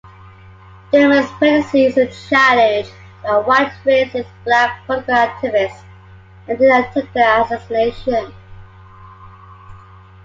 Dilman's presidency is challenged by white racists, black political activists, and an attempted assassination.